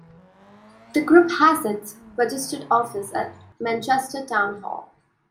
The Group has its registered office at Manchester Town Hall.